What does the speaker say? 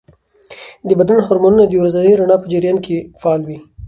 د بدن هارمونونه د ورځني رڼا په جریان کې فعاله وي.